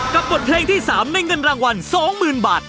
บทเพลงที่๓ในเงินรางวัล๒๐๐๐บาท